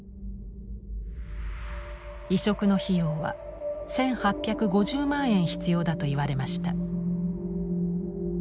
移植の費用は１，８５０万円必要だと言われました。